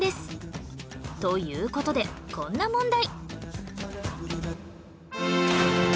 という事でこんな問題